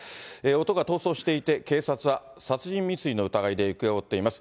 男は逃走していて、警察は殺人未遂の疑いで行方を追っています。